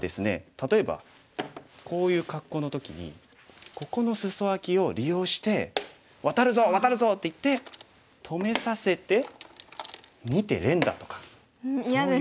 例えばこういう格好の時にここのスソアキを利用して「ワタるぞワタるぞ」って言って止めさせて２手連打とかそういう。